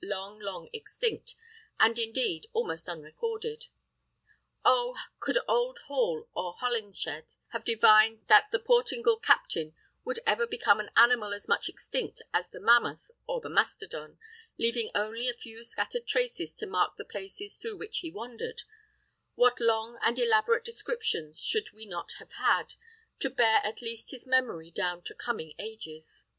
long, long extinct, and indeed almost unrecorded. Oh! could old Hall or Holinshed have divined that the Portingal captain would ever become an animal as much extinct as the mammoth or the mastodon, leaving only a few scattered traces to mark the places through which he wandered, what long and elaborate descriptions should we not have had, to bear at least his memory down to coming ages!